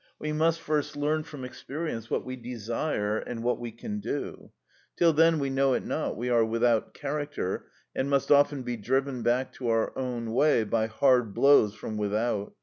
We must first learn from experience what we desire and what we can do. Till then we know it not, we are without character, and must often be driven back to our own way by hard blows from without.